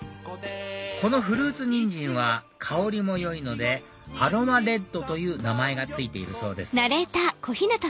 このフルーツ人参は香りも良いのでアロマレッドという名前が付いているそうです